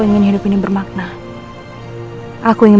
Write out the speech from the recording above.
eh enggak putting seseorang sumera